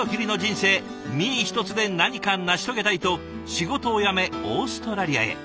身一つで何か成し遂げたいと仕事を辞めオーストラリアへ。